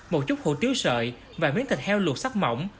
một chút hủ tiếu sợi và miếng thịt heo luộc sắc mỏng